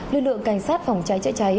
lưu lượng cảnh sát phòng cháy chạy cháy